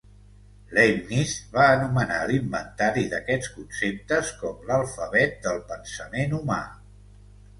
Leibniz va anomenar l'inventari d'aquests conceptes com l'alfabet del pensament humà.